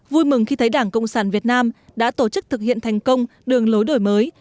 vui mừng khi thấy đảng cộng sản việt nam đã tổ chức thực hiện thành công đường lối đổi mới